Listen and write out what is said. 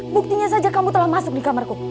buktinya saja kamu telah masuk di kamarku